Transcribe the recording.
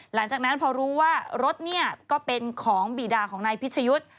หลังจากนั้นพอรู้ว่ารถเนี่ยก็เป็นของบีดาของนายพิชยุทธ์